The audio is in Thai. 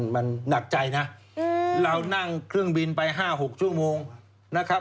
มันหนักใจนะเรานั่งเครื่องบินไป๕๖ชั่วโมงนะครับ